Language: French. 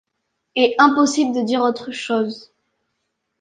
Et impossible de dire autre chose !